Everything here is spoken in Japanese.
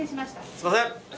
すいません。